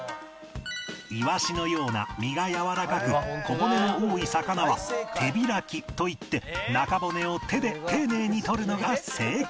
いわしのような身がやわらかく小骨の多い魚は手開きといって中骨を手で丁寧に取るのが正解